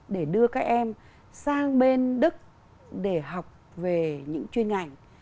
để đưa các em sang bên đức để học về những chuyên ngành